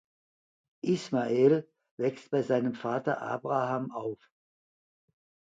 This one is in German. Ismael wächst bei seinem Vater Abraham auf.